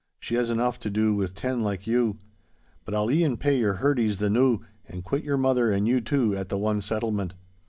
She has enough to do with ten like you. But I'll e'en pay your hurdies the noo, and quit your mother and you too, at the one settlement.